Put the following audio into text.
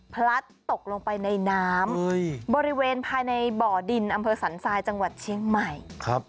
พลัดตกลงไปในน้ำบริเวณภายในบ่อดินอำเภอสันทรายจังหวัดเชียงใหม่